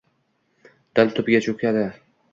Dil tubiga cho’kadi.